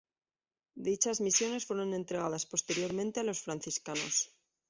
Dichas misiones fueron entregadas posteriormente a los franciscanos.